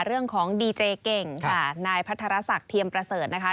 เรื่องของดีเจเก่งค่ะนายพัทรศักดิ์เทียมประเสริฐนะคะ